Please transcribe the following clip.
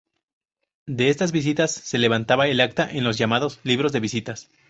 De estas visitas se levantaba el acta en los llamados "Libros de Visitas".